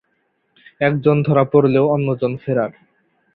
একজন ধরা পড়লেও অন্যজন ফেরার।